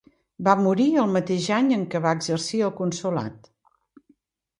Va morir el mateix any en què va exercir el consolat.